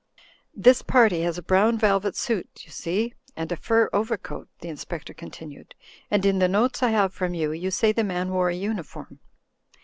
"This party has a brown velvet suit, you see, and a fur overcoat," the Inspector continued, "and in the notes I have from jrou, you say the man wore a tmi* form."